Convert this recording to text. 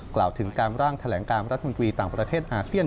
กล่าวถึงการร่างแถลงการรัฐมนตรีต่างประเทศอาเซียน